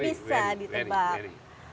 tidak bisa ditebak